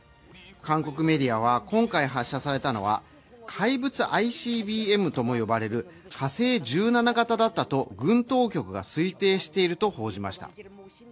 韓国メディアは、今回発射されたのは怪物ＩＣＢＭとも呼ばれる火星１７型だったと軍当局が推定していると報じました。